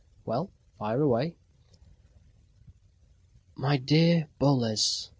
"Well, fire away!" "My dear Boles ...